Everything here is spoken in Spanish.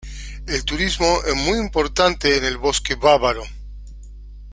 El turismo es muy importante en el Bosque Bávaro.